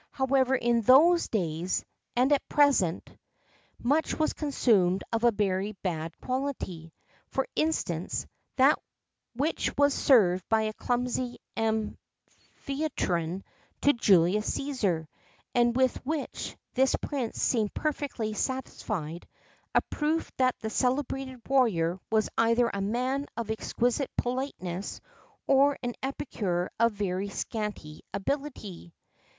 [XII 38] However in those days, as at present, much was consumed of a very bad quality: for instance, that which was served by a clumsy Amphytrion to Julius Cæsar, and with which this prince seemed perfectly satisfied a proof that the celebrated warrior was either a man of exquisite politeness or an epicure of very scanty ability.